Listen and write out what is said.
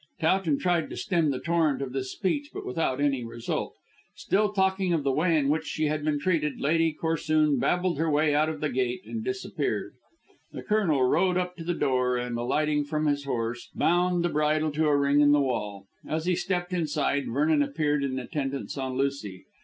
Towton tried to stem the torrent of this speech, but without any result. Still talking of the way in which she had been treated, Lady Corsoon babbled her way out of the gate and disappeared. The Colonel rode up to the door, and, alighting from his horse, bound the bridle to a ring in the wall. As he stepped inside, Vernon appeared in attendance on Lucy.